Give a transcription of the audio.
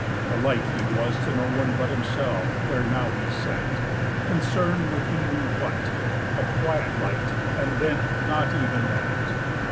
A light he was to no one but himself Where now he sat, concerned with he knew what, A quiet light, and then not even that.